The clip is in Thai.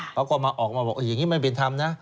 เขาก็มาออกมาบอกอย่างนี้ไม่เป็นธรรมนะ